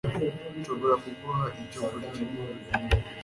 Nshobora kuguha icyo kurya?